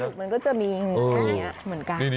ปลาดุกมันก็จะมีแง่เหมือนกัน